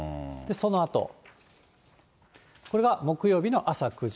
そのあと、これが木曜日の朝９時。